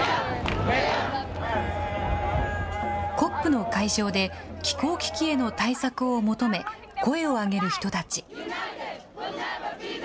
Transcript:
ＣＯＰの会場で、気候危機への対策を求め、声を上げる人たち。